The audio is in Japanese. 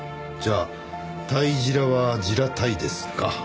じゃあ「たいじら」は「じらたい」ですか。